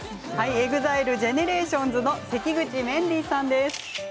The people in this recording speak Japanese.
ＥＸＩＬＥＧＥＮＥＲＡＴＩＯＮＳの関口メンディーさんです。